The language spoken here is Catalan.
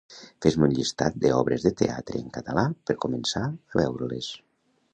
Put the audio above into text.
Fes-me un llistat de obres de teatre en català per començar a veure-les